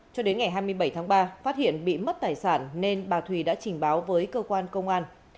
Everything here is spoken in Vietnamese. cho đến ngày hai mươi bảy tháng ba phát hiện bị mất tài sản nên bà thùy đã trình báo với cơ quan công an